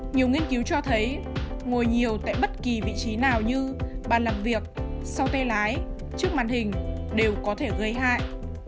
nhiều nghiên cứu cho thấy ngồi nhiều tại bất kỳ vị trí nào như bàn làm việc sau tay lái trước màn hình đều có thể gây hại